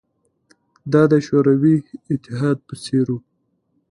دا د شوروي اتحاد په څېر وه